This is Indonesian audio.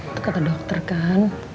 itu kata dokter kan